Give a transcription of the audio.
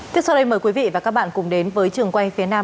tiếp sau đây mời quý vị và các bạn cùng đến với trường quay phía nam